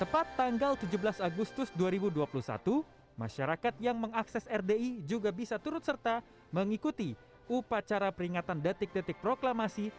tepat tanggal tujuh belas agustus dua ribu dua puluh satu masyarakat yang mengakses rdi juga bisa turut serta mengikuti upacara peringatan detik detik proklamasi